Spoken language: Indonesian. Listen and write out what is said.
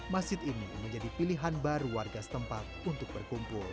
masjid ini menjadi pilihan baru warga setempat untuk berkumpul